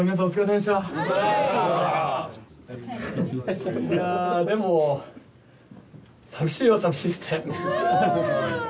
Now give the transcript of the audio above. いやでも寂しいは寂しいっすね